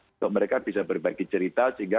untuk mereka bisa berbagi cerita sehingga